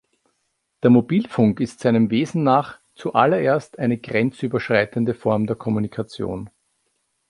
Der Mobilfunk ist seinem Wesen nach zuallererst eine grenzüberschreitende Form der Kommunikation.